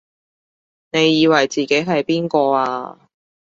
你以為自己係邊個啊？